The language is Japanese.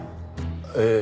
ええ。